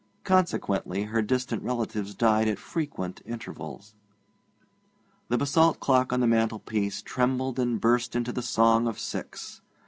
Consequently her distant relatives died at frequent intervals. The basalt clock on the mantelpiece trembled and burst into the song of six.